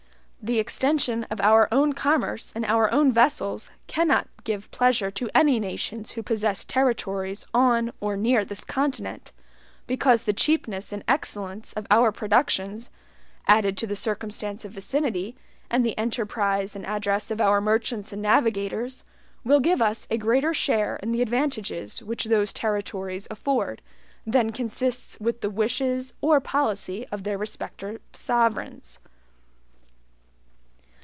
The extension of our own commerce in our own vessels cannot give pleasure to any nations who possess territories on or near this continent, because the cheapness and excellence of our productions, added to the circumstance of vicinity, and the enterprise and address of our merchants and navigators, will give us a greater share in the advantages which those territories afford, than consists with the wishes or policy of their respective sovereigns.